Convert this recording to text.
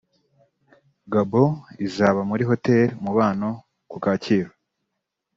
Gabon izaba muri Hotel Umubano ku Kacyiru